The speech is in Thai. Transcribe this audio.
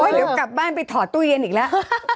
เดี๋ยวกลับบ้านไปถอดตู้เย็นอีกแล้ว